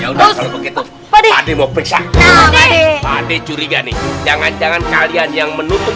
ya udah kalau begitu pade mau periksa pade curiga nih jangan jangan kalian yang menutup